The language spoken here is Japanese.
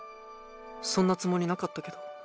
そんなつもりなかったけど。